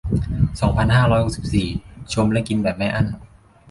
สองพันห้าร้อยหกสิบสี่ ชมและกินแบบไม่อั้น